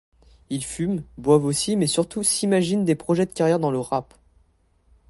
Ils fument, boivent aussi mais surtout s'imaginent des projets de carrière dans le rap.